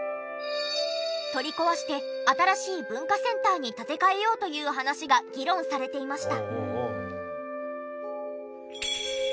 取り壊して新しい文化センターに建て替えようという話が議論されていました。